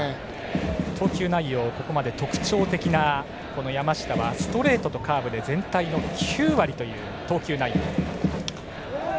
投球内容もここまで特徴的で、山下はストレートとカーブで全体の９割です。